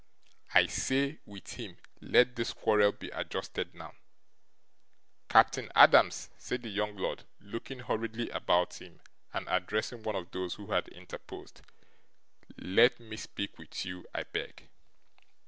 I say, with him, let this quarrel be adjusted now. Captain Adams,' said the young lord, looking hurriedly about him, and addressing one of those who had interposed, 'let me speak with you, I beg.